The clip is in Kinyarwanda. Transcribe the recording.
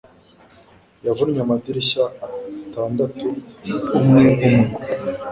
Yavunnye amadirishya atandatu umwe umwe